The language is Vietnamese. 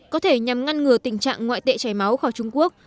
có thể nhằm ngăn ngừa tình trạng ngoại tệ chảy máu khỏi trung quốc